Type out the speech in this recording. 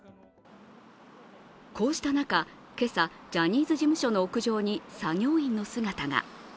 こうした中、今朝、ジャニーズ事務所の屋上に作業員の姿が。